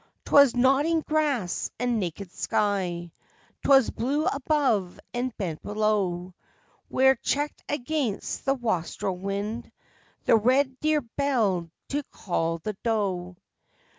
_'Twas nodding grass and naked sky, 'Twas blue above and bent below, Where, checked against the wastrel wind, The red deer belled to call the doe.